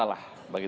seperti yang ini